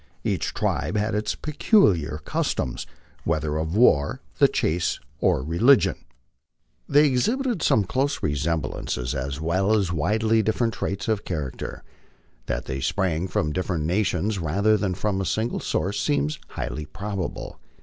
Each tribe had its peculiar customs, whether of war, the chase, or religion They H MY LIFE OX THE PLAINS. exhibited some close resemblances as well as widely different traits of charac ter. That they sprang from different nations rather than from a single source seems highly probable.